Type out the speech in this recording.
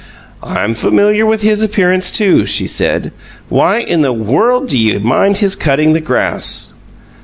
"I'm familiar with his appearance, too," she said. "Why in the world do you mind his cutting the grass?"